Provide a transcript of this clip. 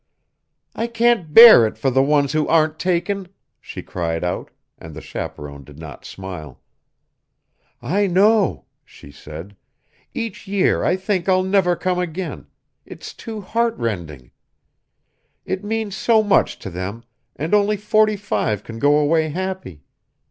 "I can't bear it for the ones who aren't taken," she cried out, and the chaperon did not smile. "I know," she said. "Each year I think I'll never come again it's too heart rending. It means so much to them, and only forty five can go away happy.